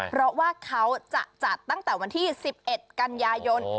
เพราะว่าเขาจะจัดตั้งแต่วันที่๑๑กันยายน